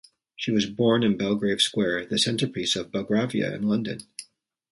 She was born in Belgrave Square, the centrepiece of Belgravia in London.